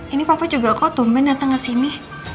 ini papa juga kok tumben datang ke sini